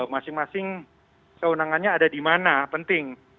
masing masing kewenangannya ada di mana penting